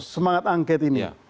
semangat anget ini